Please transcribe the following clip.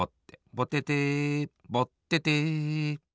ぼててぼってて。